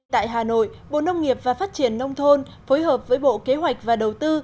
tại hà nội bộ nông nghiệp và phát triển nông thôn phối hợp với bộ kế hoạch và đầu tư